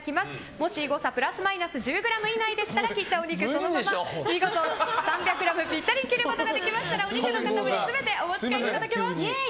もし誤差プラスマイナス１０ｇ以内でしたら切ったお肉をそのまま見事３００ｇぴったりに切ることができましたらお肉の塊全てお持ち帰りいただけます。